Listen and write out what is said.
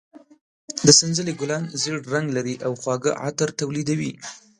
د سنځلې ګلان زېړ رنګ لري او خواږه عطر تولیدوي.